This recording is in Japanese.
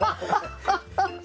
ハハハハ！